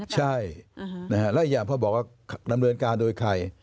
ใช่และอีกอย่างพอบอกว่าดำเนินการโดยใคร